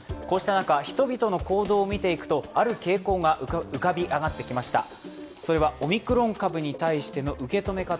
こうした中、人々の行動を見ていくと、ある傾向が浮かび上がってきました。